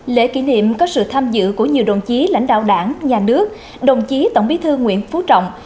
lễ kỷ niệm có sự tham dự của nhiều đồng chí lãnh đạo đảng nhà nước đồng chí tổng bí thư nguyễn phú trọng